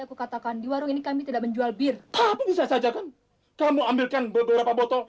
aku katakan di warung ini kami tidak menjual bir tapi bisa saja kan kamu ambilkan beberapa botol